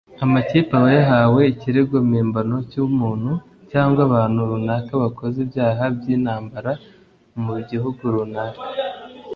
Amakipe aba yahawe ikirego mpimbano cy’umuntu cyangwa abantu runaka bakoze ibyaha by’intamabara mu gihugu runaka